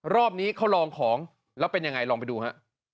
รอบนี้เขาลองของแล้วเป็นยังไงลองไปดูฮะ